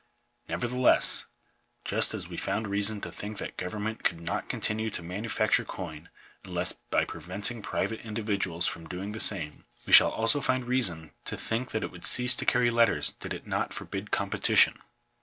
Nevertheless, just as we found reason to think that govern ment could not continue to manufacture coin unless by pre: venting private individuals from doing the same, we shall also find reason to think that it would cease to carry let i ters did it not forbid competition.